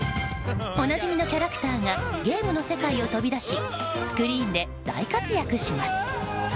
おなじみのキャラクターがゲームの世界を飛び出しスクリーンで大活躍します。